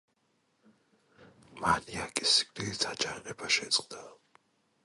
მანიაკეს სიკვდილით აჯანყება შეწყდა.